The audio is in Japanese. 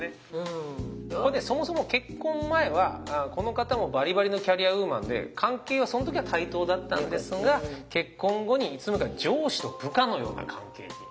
これねそもそも結婚前はこの方もバリバリのキャリアウーマンで関係はその時は対等だったんですが結婚後にいつのまにか上司と部下のような関係に。